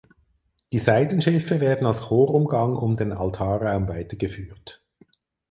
Die Seitenschiffe werden als Chorumgang um den Altarraum weitergeführt.